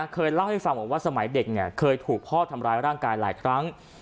เคยเล่าให้ฟังบอกว่าสมัยเด็กเนี่ยเคยถูกพ่อทำร้ายร่างกายหลายครั้ง